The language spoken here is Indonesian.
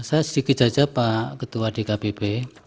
saya sedikit saja pak ketua di kpp